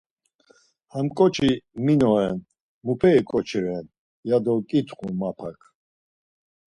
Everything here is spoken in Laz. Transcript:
Ham ǩoçi min oren, muperi ǩoçi ren ya do ǩitxu Mapak.